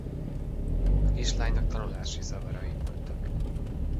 A kislánynak tanulási zavarai voltak.